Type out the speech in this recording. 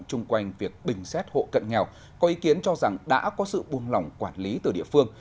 chung quanh việc bình xét hộ cận nghèo có ý kiến cho rằng đã có sự buông lỏng quản lý từ địa phương